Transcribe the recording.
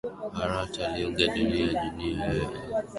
Haratah aliaga dunia jana, niliambiwa na jirani